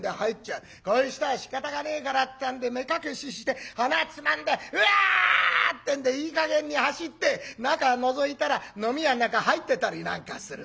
こういう人はしかたがねえからってんで目隠しして鼻つまんで「うわっ！」ってんでいい加減に走って中のぞいたら飲み屋の中入ってたりなんかするというような。